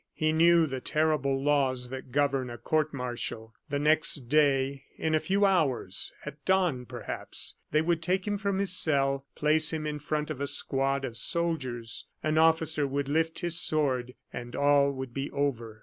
He knew the terrible laws that govern a court martial. The next day in a few hours at dawn, perhaps, they would take him from his cell, place him in front of a squad of soldiers, an officer would lift his sword, and all would be over.